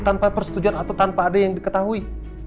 tanpa persetujuan atau tanpa ada yang diketahui